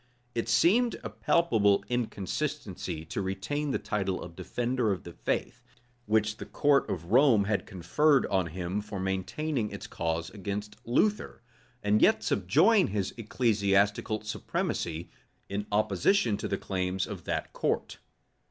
It seemed a palpable inconsistency to retain the title of defender of the faith, which the court of Rome had conferred on him for maintaining its cause against Luther; and yet subjoin his ecclesiastical supremacy, in opposition to the claims of that court.